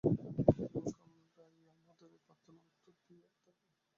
প্রকৃতপক্ষে আমরাই আমাদেরই প্রার্থনার উত্তর দিয়ে থাকি।